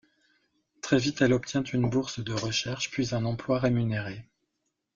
Très vite, elle obtient une bourse de recherche puis un emploi rémunéré.